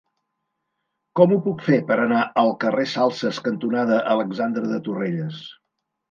Com ho puc fer per anar al carrer Salses cantonada Alexandre de Torrelles?